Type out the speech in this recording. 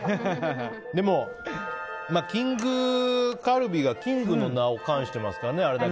でも、きんぐカルビがキングの名を冠してますからね。